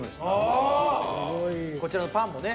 すごい。こちらのパンもね。